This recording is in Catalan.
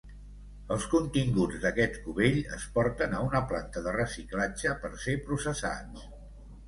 Els continguts d'aquest cubell es porten a una planta de reciclatge per ser processats.